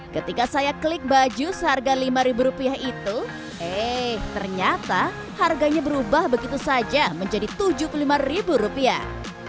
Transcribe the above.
ketika saya klik baju seharga lima ribu rupiah itu eh ternyata harganya berubah begitu saja menjadi tujuh puluh lima ribu rupiah